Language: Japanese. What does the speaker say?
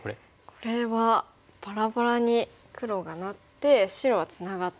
これはバラバラに黒がなって白はツナがって。